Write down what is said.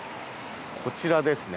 こちらですね